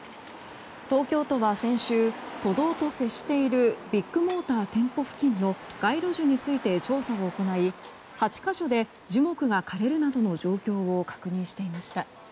東京都は先週、都道と接しているビッグモーター店舗付近の街路樹について調査を行い８か所で樹木が枯れるなどの状況を確認していました。